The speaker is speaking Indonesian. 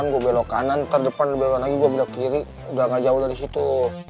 dibelok kanan ntar depan dibelok kanan lagi gue belok kiri udah gak jauh dari situ